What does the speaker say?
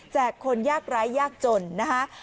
คนยากร้ายยากจนนะคะ